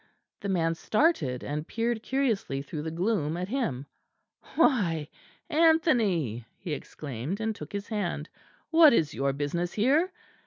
The man started and peered curiously through the gloom at him. "Why Anthony!" he exclaimed, and took his hand, "what is your business here?"